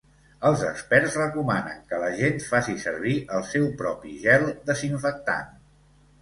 Els experts recomanen que la gent faci servir el seu propi gel desinfectant.